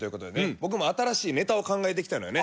僕も新しいネタを考えてきたのよね